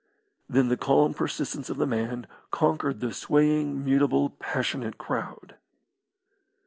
Then the calm persistence of the man conquered the swaying, mutable, passionate crowd.